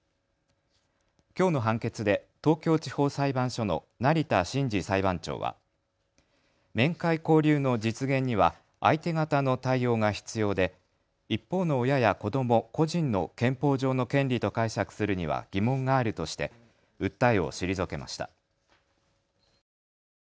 きょうの判決で東京地方裁判所の成田晋司裁判長は面会交流の実現には相手方の対応が必要で一方の親や子ども、個人の憲法上の権利と解釈するには疑問があるとして訴えを退けました。